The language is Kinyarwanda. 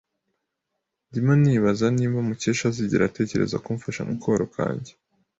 Ndimo nibaza niba Mukesha azigera atekereza kumfasha mukoro kanjye.